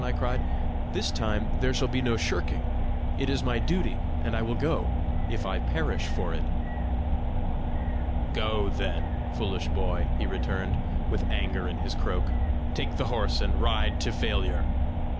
I cried. "This time there shall be no shirking! It is my duty, and I will go if I perish for it!" "Go, then, foolish boy!" he returned, with anger in his croak. "Take the horse, and ride to failure!